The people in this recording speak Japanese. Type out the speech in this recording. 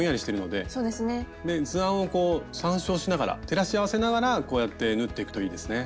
で図案をこう参照しながら照らし合わせながらこうやって縫っていくといいですね。